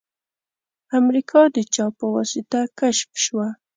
امریکا د چا په واسطه کشف شوه؟